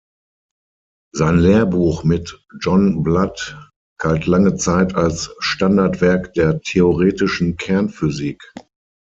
Sein Lehrbuch mit John Blatt galt lange Zeit als Standardwerk der theoretischen Kernphysik.